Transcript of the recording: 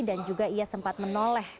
dan juga ia sempat menoleh